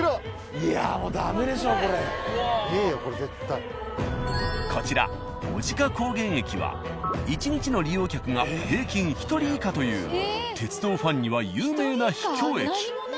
いやもうこちら男鹿高原駅は１日の利用客が平均１人以下という鉄道ファンには有名な秘境駅。